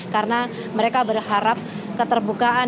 karena mereka berharap keterbukaan